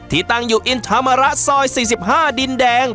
ตั้งอยู่อินธรรมระซอย๔๕ดินแดง